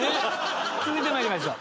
続いて参りましょう。